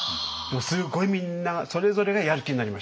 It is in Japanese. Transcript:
すごいみんなそれぞれがやる気になりました。